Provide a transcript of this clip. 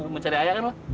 lo mau cari ayah kan lo